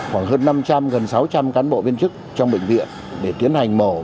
khoảng hơn năm trăm linh gần sáu trăm linh cán bộ viên chức trong bệnh viện để tiến hành mổ